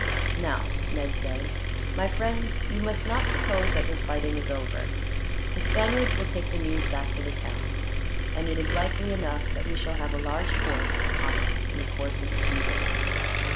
"Now," Ned said, "my friends, you must not suppose that your fighting is over. The Spaniards will take the news back to the town, and it is likely enough that we shall have a large force upon us, in the course of a few days.